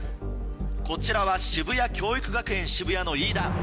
こちらは渋谷教育学園渋谷の飯田。